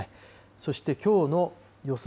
そして、きょうの予想